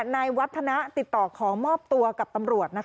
นายวัฒนะติดต่อขอมอบตัวกับตำรวจ